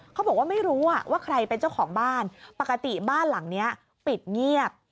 เขาบอกว่าไม่รู้ว่าใครเป็นเจ้าของบ้านปกติบ้านหลังนี้ปิดเงียบ